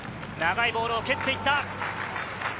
長いボールを蹴っていった。